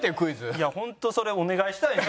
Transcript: いや本当それお願いしたいです。